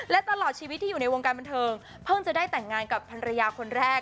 และตลอดชีวิตที่อยู่ในวงการบันเทิงเพิ่งจะได้แต่งงานกับภรรยาคนแรก